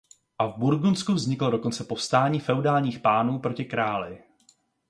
A v Burgundsku vzniklo dokonce povstání feudálních pánů proti králi.